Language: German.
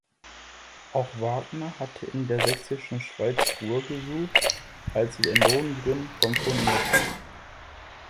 Auch Wagner hatte in der Sächsischen Schweiz Ruhe gesucht, als er den Lohengrin komponierte.